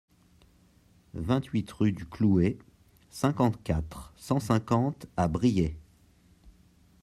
vingt-huit rue du Cloué, cinquante-quatre, cent cinquante à Briey